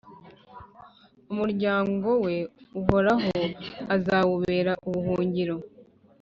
umuryango we Uhoraho azawubera ubuhungiro,